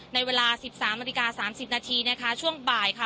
ในเวลา๑๓นาฬิกา๓๐นาทีนะคะช่วงบ่ายค่ะ